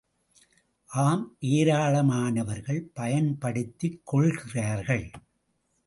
ஆம் ஏராளமானவர்கள் பயன்படுத்திக் கொள்கிறார்கள்.